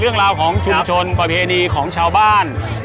เรื่องราวของชุมชนประเพณีของชาวบ้าน